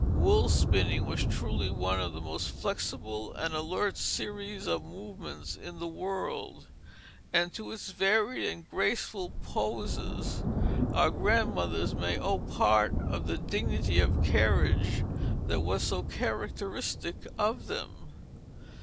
Wool spinning was truly one of the most flexible and alert series of movements in the world, and to its varied and graceful poises our grandmothers may owe part of the dignity of carriage that was so characteristic of them.